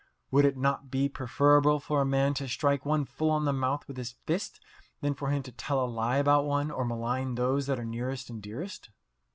(Would it not be preferable for a man to strike one full on the mouth with his fist than for him to tell a lie about one, or malign those that are nearest and dearest?)